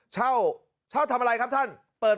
เช่าทำอะไรครับท่าน